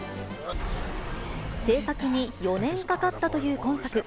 製作に４年かかったという今作。